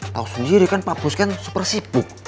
tau sendiri kan pak bos kan super sibuk